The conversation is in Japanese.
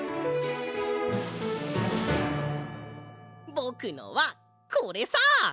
ぼくのはこれさ！